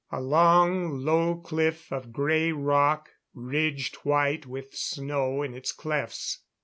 A long, low cliff of grey rock, ridged white with snow in its clefts.